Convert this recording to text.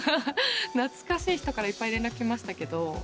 懐かしい人からいっぱい連絡来ましたけど。